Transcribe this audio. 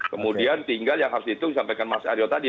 kemudian tinggal yang harus dihitung disampaikan mas aryo tadi